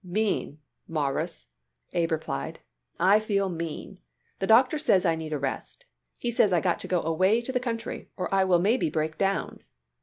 "Mean, Mawruss," Abe replied. "I feel mean. The doctor says I need a rest. He says I got to go away to the country or I will maybe break down."